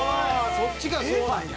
そっちがそうなんや！